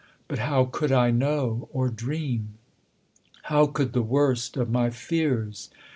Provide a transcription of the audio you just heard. But how could I know or dream ? How could the worst of my fears